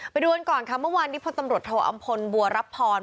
ไปดูกันก่อนค่ะเมื่อวานนี้พลตำรวจโทอำพลบัวรับพร